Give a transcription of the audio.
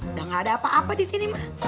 udah nggak ada apa apa di sini mak